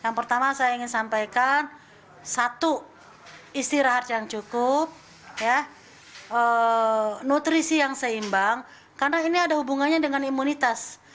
yang pertama saya ingin sampaikan satu istirahat yang cukup nutrisi yang seimbang karena ini ada hubungannya dengan imunitas